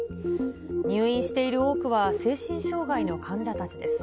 入院している多くは精神障害の患者たちです。